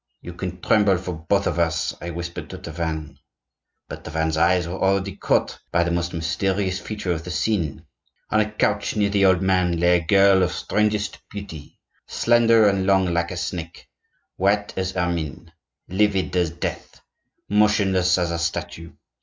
'You can tremble for both of us,' I whispered to Tavannes. But Tavannes' eyes were already caught by the most mysterious feature of the scene. On a couch, near the old man, lay a girl of strangest beauty,—slender and long like a snake, white as ermine, livid as death, motionless as a statue.